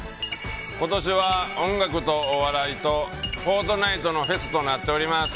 今年は音楽とお笑いと「フォートナイト」のフェスとなっております。